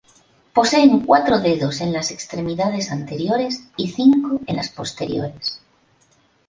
Poseen cuatro dedos en las extremidades anteriores y cinco en las posteriores.